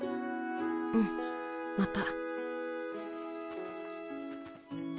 うんまた。